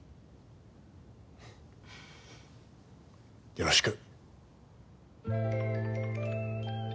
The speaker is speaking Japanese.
よろしく。